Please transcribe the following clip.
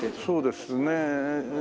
そうですね。